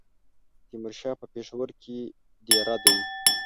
تیمورشاه په پېښور کې دېره دی.